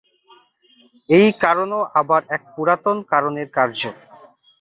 এই কারণও আবার এক পুরাতন কারণের কার্য।